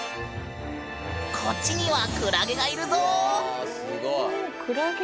こっちにはクラゲがいるぞ。